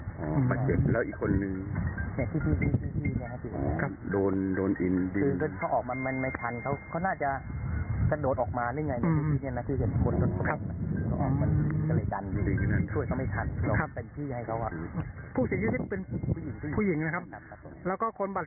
ผู้เสียชีวิตครับ